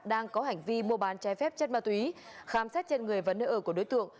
đang có hành vi mua bán trái phép chất ma túy khám xét trên người và nơi ở của đối tượng